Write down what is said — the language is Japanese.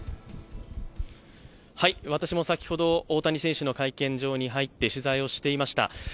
私も先ほど大谷選手の会見場に入って、取材をしていました。